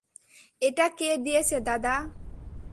এটা কে দিয়েছে, দাদা?